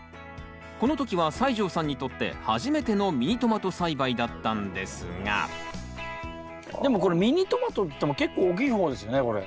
この時は西城さんにとって初めてのミニトマト栽培だったんですがでもこれミニトマトっていっても結構大きい方ですよねこれ。